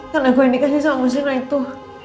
karena gue yang dikasih sama mas rina itu